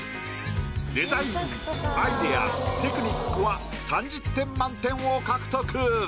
デザインアイデアテクニックは３０点満点を獲得。